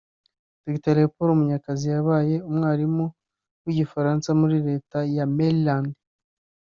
Dr Léopold Munyakazi yabaye umwarimu w’igifaransa muri Leta ya Maryland